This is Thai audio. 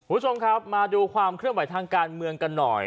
คุณผู้ชมครับมาดูความเคลื่อนไหวทางการเมืองกันหน่อย